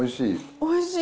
おいしい！